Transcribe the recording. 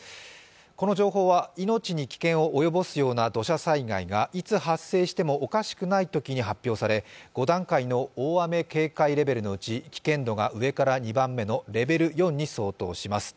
この情報は命に危険を及ぼすような土砂災害がいつ発生してもおかしくないときに発表され、５段階の大雨警戒レベルのうち危険度が上から２番目のレベル４に相当します。